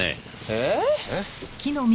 えっ？